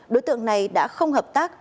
đối tượng này đã không hợp tác